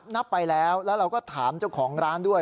นับไปแล้วแล้วเราก็ถามเจ้าของร้านด้วย